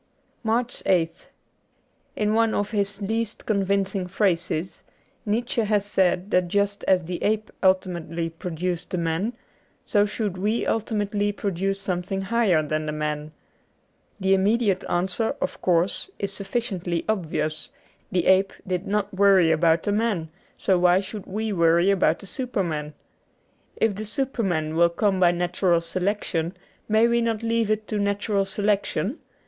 ^ 73 MARCH 8th IN one of his least convincing phrases, Nietzsche had said that just as the ape ultimately pro duced the man, so should we ultimately produce something higher than the man. The immediate answer, of course, is sufficiently obvious : the ape did not worry about the man, so why should we worry about the superman ? If the superman will come by natural selection, may we not leave it to natural selection